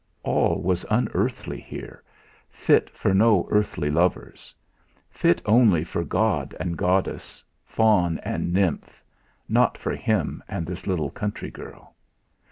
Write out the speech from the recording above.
All was unearthly here, fit for no earthly lovers; fit only for god and goddess, faun and nymph not for him and this little country girl.